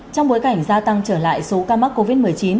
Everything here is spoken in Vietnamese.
trong bối cảnh gia tăng trở lại số ca mắc covid một mươi chín